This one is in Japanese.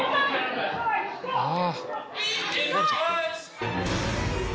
「ああ」